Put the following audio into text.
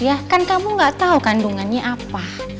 ya kan kamu gak tahu kandungannya apa